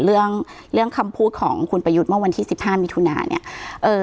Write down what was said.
เรื่องเรื่องคำพูดของคุณประยุทธ์เมื่อวันที่สิบห้ามิถุนาเนี้ยเอ่อ